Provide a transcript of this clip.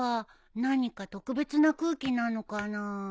何か特別な空気なのかなあ。